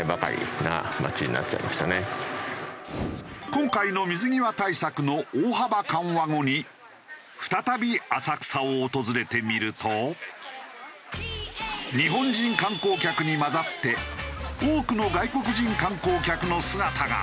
今回の水際対策の大幅緩和後に再び浅草を訪れてみると日本人観光客に交ざって多くの外国人観光客の姿が。